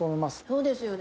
そうですよね。